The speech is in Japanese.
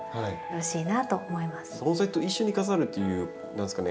盆栽と一緒に飾るという何ですかね